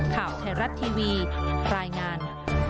ข่าวไทยรัฐทีวีรายงาน